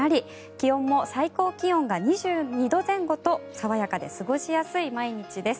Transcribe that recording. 気温も最高気温が２２度前後と爽やかで過ごしやすい毎日です。